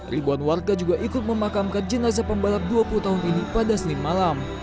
ribuan warga juga ikut memakamkan jenazah pembalap dua puluh tahun ini pada senin malam